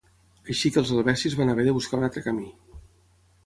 Així que els helvecis van haver de buscar un altre camí.